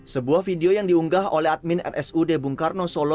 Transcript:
sebuah video yang diunggah oleh admin rsud bung karno solo